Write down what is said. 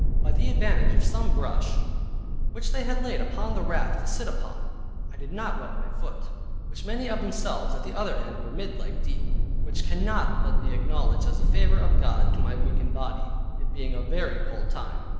By the advantage of some brush which they had laid upon the raft to sit upon, I did not wet my foot (which many of themselves at the other end were mid leg deep) which cannot but be acknowledged as a favor of God to my weakened body, it being a very cold time.